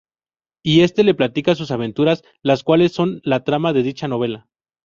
Y este le platica sus aventuras las cuales son la trama de dicha novela.